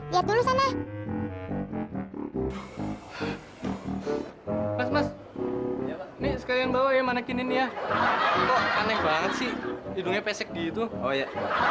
ini sekali yang bawa yang mana kini ya banget sih hidungnya pesek gitu oh ya